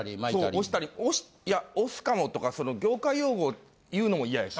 そう押したりいや「押すかも」とか業界用語言うのも嫌やし。